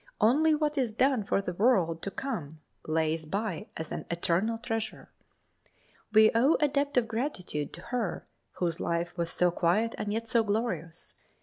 Only what is done for the world to come lays by as an eternal treasure. We owe a debt of gratitude to her whose life was so quiet and yet so glorious.